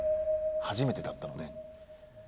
初めてだったので。